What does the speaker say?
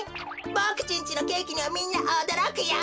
ボクちんちのケーキにはみんなおどろくよ。